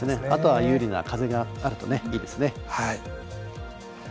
あとは有利な風があるといいですね。